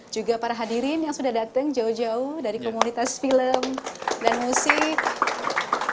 juga para hadirin yang sudah datang jauh jauh dari komunitas film dan musik